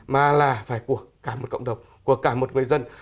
mà là phải của cả một cộng đồng của cả một người dân